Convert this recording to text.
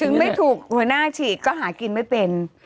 ไม่ถูกหัวหน้าฉีกก็หากินไม่เป็น